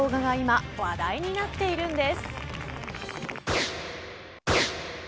そんな動画が今話題になっているんです。